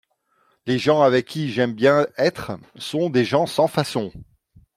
Les gens avec qui j'aime bien être sont des gens sans façons.